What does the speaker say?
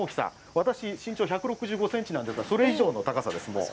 私、身長１６５センチなんですが、それ以上の高さです、もう。